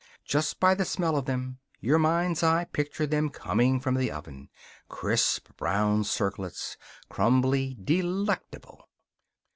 Just by the smell of them your mind's eye pictured them coming from the oven crisp brown circlets, crumbly, delectable.